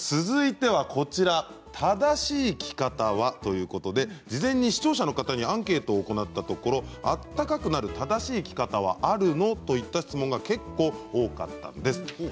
続いてはこちら正しい着方は？ということで事前に視聴者の方にアンケートを行ったところあったかくなる正しい着方はあるの？といった質問が結構多くありました。